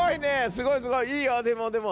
すごいすごいいいよでもでも。